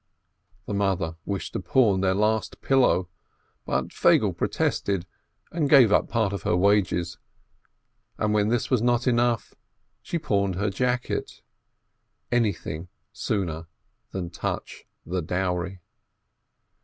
The mother wished to pawn their last pillow, but Feigele protested, and gave up part of her wages, and when this was not enough, she pawned her jacket — any thing sooner than touch the dowry.